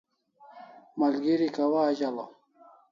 Malgeri kawa azalaw?